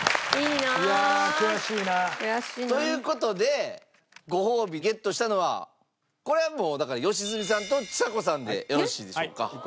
いやあ悔しいな。という事でご褒美ゲットしたのはこれはもうだから良純さんとちさ子さんでよろしいでしょうか。